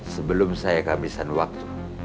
sebelum saya kehabisan waktu